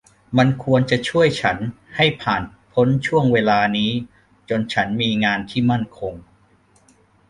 มันควรจะช่วยฉันให้ผ่านพ้นช่วงเวลานี้จนฉันมีงานที่มั่นคง